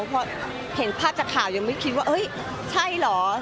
พอเห็นภาพจากข่าวยังไม่คิดว่าใช่เหรอ